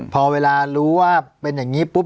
พอเวลารู้ว่าเป็นอย่างนี้ปุ๊บ